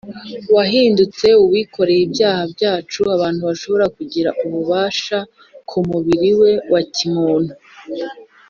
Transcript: yahindutse uwikoreye ibyaha byacu abantu bashobora kugira ububasha ku mubiri we wa kimuntu